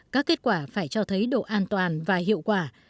các kết quả phải cho thấy độ an toàn và hiệu quả